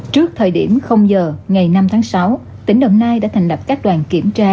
trước thời điểm giờ ngày năm tháng sáu tỉnh đồng nai đã thành lập các đoàn kiểm tra